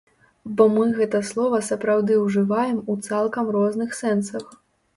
Бо мы гэта слова сапраўды ўжываем у цалкам розных сэнсах.